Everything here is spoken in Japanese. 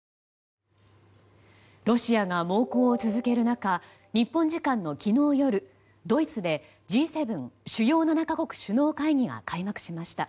ロシアが猛攻を続ける中日本時間の昨日夜ドイツでＧ７・主要７か国首脳会議が開幕しました。